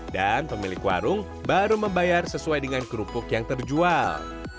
dan pemilik warung baru membayar sesuai dengan kerupuk yang terjual